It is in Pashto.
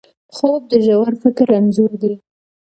خوب د ژور فکر انځور دی